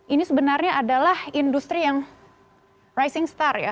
ini sebenarnya adalah industri yang rising star ya